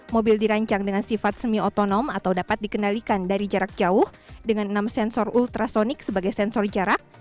mobil dirancang dengan sifat semi otonom atau dapat dikendalikan dari jarak jauh dengan enam sensor ultrasonic sebagai sensor jarak